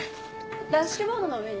ダッシュボードの上に。